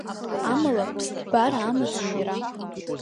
Амала ԥсҭбара амаӡам иара.